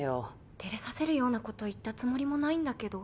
照れさせるようなこと言ったつもりもないんだけど。